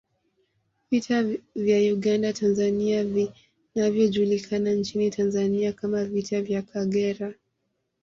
Vita vya Uganda Tanzania vinavyojulikana nchini Tanzania kama Vita vya Kagera